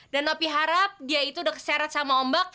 dan opi harap dia itu udah keseret sama ombak